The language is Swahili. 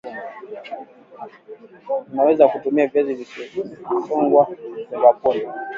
unaweza kutumia Viazi vilivyosagwa pondwa pondwa